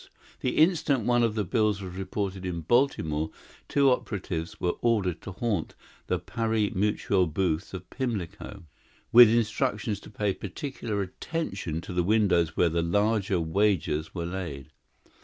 The instant one of the bills was reported in Baltimore two operatives were ordered to haunt the pari mutuel booths at Pimlico, with instructions to pay particular attention to the windows where the larger wagers were laid.